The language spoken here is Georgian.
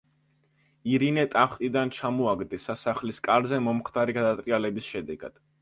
ირინე ტახტიდან ჩამოაგდეს სასახლის კარზე მომხდარი გადატრიალების შედეგად.